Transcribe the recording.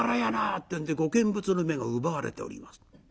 ってんでご見物の目が奪われております。